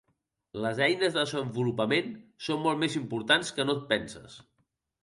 Les eines de desenvolupament són molt més importants que no et penses.